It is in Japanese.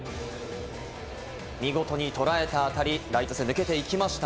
見事にとらえた当たりライト線、抜けていきました。